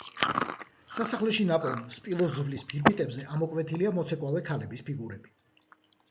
სასახლეში ნაპოვნ სპილოს ძვლის ფირფიტებზე ამოკვეთილია მოცეკვავე ქალების ფიგურები.